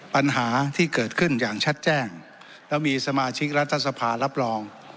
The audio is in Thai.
ปัญหาที่เกิดขึ้นอย่างชัดแจ้งแล้วมีสมาชิกรัฐสภารับรอง